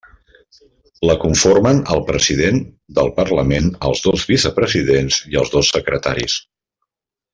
La conformen el president del Parlament, els dos vicepresidents i els dos secretaris.